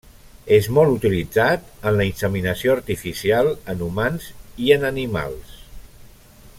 És molt utilitzat en la inseminació artificial en humans i en animals.